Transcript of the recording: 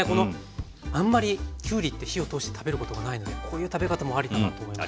あんまりきゅうりって火を通して食べることがないのでこういう食べ方もありだなと思います。